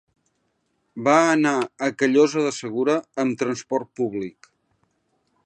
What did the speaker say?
Va anar a Callosa de Segura amb transport públic.